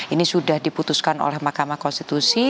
ini sudah diputuskan oleh mahkamah konstitusi